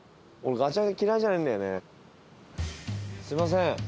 すいません。